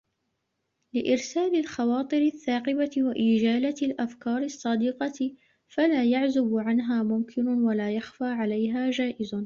لِإِرْسَالِ الْخَوَاطِرِ الثَّاقِبَةِ وَإِجَالَةِ الْأَفْكَارِ الصَّادِقَةِ فَلَا يَعْزُبُ عَنْهَا مُمْكِنٌ وَلَا يَخْفَى عَلَيْهَا جَائِزٌ